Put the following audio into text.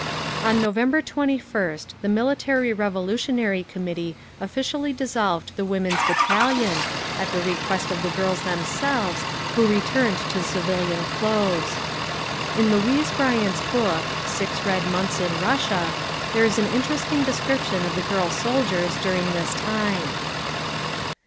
On November 21st the Military Revolutionary Committee officially dissolved the Women's Battalion, at the request of the girls themselves, who returned to civilian clothes. In Louise Bryant's book, "Six Red Months in Russia," there is an interesting description of the girl soldiers during this time.